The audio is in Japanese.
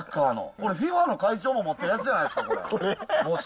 これ、ＦＩＦＡの会長も持ってるやつじゃないですか。